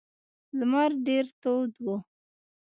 لمر ډیر تود و.